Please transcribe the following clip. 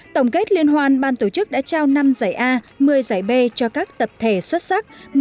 tổng kết liên hoàn ban tổ chức đã trao năm giải a một mươi giải b cho các tập thể xuất sắc